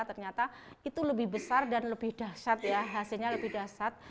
ternyata itu lebih besar dan lebih dahsyat ya hasilnya lebih dasar